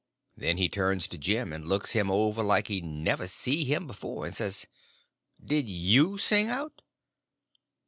Then he turns to Jim, and looks him over like he never see him before, and says: "Did you sing out?"